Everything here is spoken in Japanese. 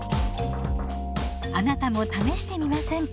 あなたも試してみませんか？